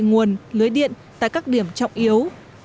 nguồn lưới điện tại các điểm trọng yếu